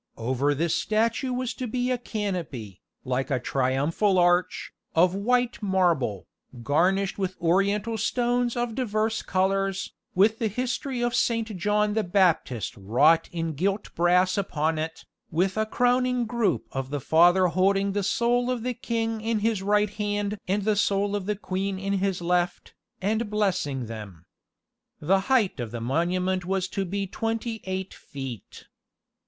Over this statue was to be a canopy, like a triumphal arch, of white marble, garnished with oriental stones of divers colours, with the history of Saint John the Baptist wrought in gilt brass upon it, with a crowning group of the Father holding the soul of the king in his right hand and the soul of the queen in his left, and blessing them. The height of the monument was to be twenty eight feet.